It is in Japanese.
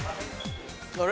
あれ？